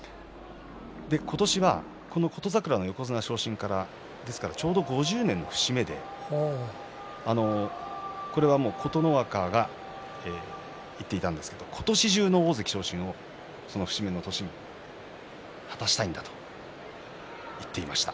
今年は琴櫻の横綱昇進からちょうど５０年の節目でこれはもう琴ノ若が言っていたんですが今年中の大関昇進をその節目の年に果たしたいんだと言っていました。